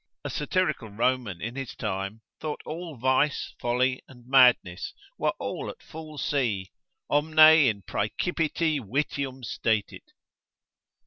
A satirical Roman in his time, thought all vice, folly, and madness were all at full sea, Omne in praecipiti vitium stetit.